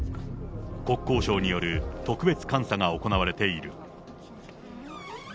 国交省による特別監査が行われている。